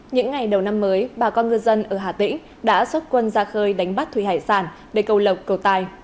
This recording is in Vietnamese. những ngày đầu năm mới bà con ngư dân ở hà tĩnh đã xuất quân ra khơi đánh bắt thủy hải sản để cầu lộc cầu tài